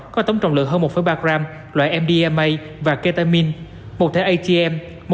có tống trọng lượng hơn một ba gram loại mdma và ketamine một thẻ atm